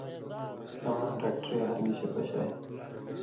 اما ڈاکٹرے ہرگِشے پشائ۔